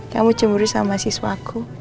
kamu cemburu sama mahasiswa aku